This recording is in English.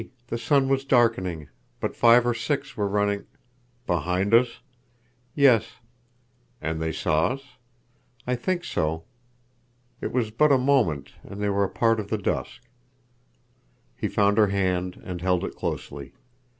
The sun was darkening. But five or six were running—" "Behind us?" "Yes." "And they saw us?" "I think so. It was but a moment, and they were a part of the dusk." He found her hand and held it closely.